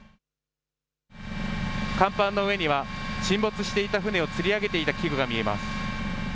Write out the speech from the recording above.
甲板の上には、沈没していた船をつり上げていた器具が見えます。